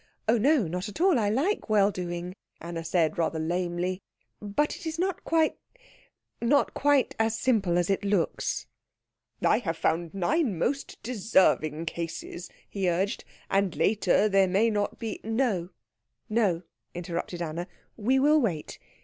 "Oh no, not at all; I like well doing," Anna said rather lamely, "but it is not quite not quite as simple as it looks." "I have found nine most deserving cases," he urged, "and later there may not be " "No, no," interrupted Anna, "we will wait.